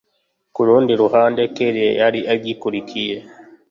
kurundi ruhande kellia yari agikurikiye